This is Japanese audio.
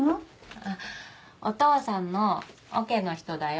あっお父さんのオケの人だよ。